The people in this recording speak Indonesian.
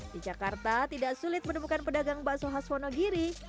di jakarta tidak sulit menemukan pedagang bakso khas wonogiri